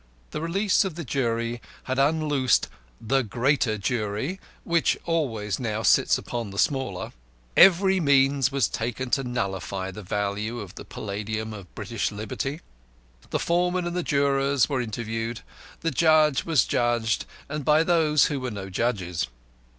The release of the Jury had unloosed "The Greater Jury," which always now sits upon the smaller. Every means was taken to nullify the value of the "palladium of British liberty." The foreman and the jurors were interviewed, the judge was judged, and by those who were no judges.